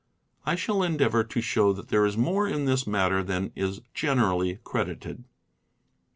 I shall endeavor to show that there is more in this matter than is generally credited.